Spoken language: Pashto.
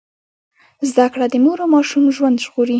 زده کړه د مور او ماشوم ژوند ژغوري۔